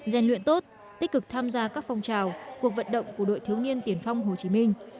gian luyện tốt tích cực tham gia các phong trào cuộc vận động của đội thiếu niên tiền phong hồ chí minh